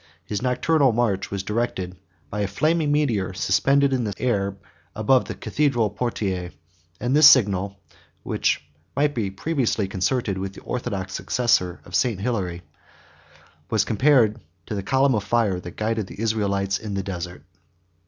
His nocturnal march was directed by a flaming meteor, suspended in the air above the cathedral of Poitiers; and this signal, which might be previously concerted with the orthodox successor of St. Hilary, was compared to the column of fire that guided the Israelites in the desert.